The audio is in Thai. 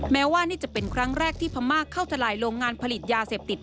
แม้ว่านี่จะเป็นครั้งแรกที่พม่าเข้าทลายโรงงานผลิตยาเสพติด